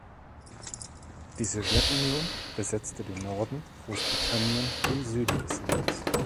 Die Sowjetunion besetzte den Norden, Großbritannien den Süden des Landes.